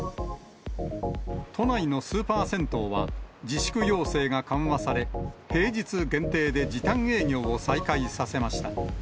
都内のスーパー銭湯は、自粛要請が緩和され、平日限定で時短営業を再開させました。